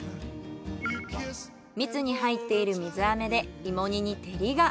蜜に入っている水アメで芋煮に照りが。